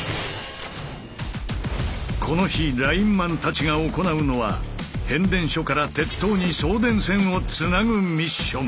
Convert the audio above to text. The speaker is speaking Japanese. この日ラインマンたちが行うのは変電所から鉄塔に送電線をつなぐミッション。